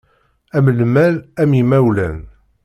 Am lmal, am yimawlan.